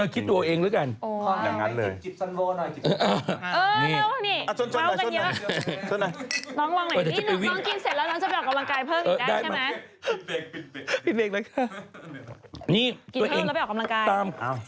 นี่กินเองแล้วไปออกกำลังกาย